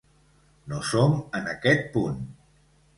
No som en aquest punt